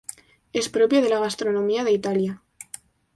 Es propio de la gastronomía de Italia.